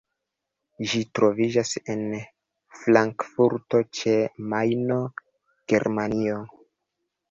Ĝi troviĝas en Frankfurto ĉe Majno, Germanio.